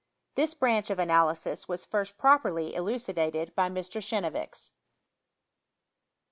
This branch of analysis ■was first properly elucidated by Mr. Chenevix. 6.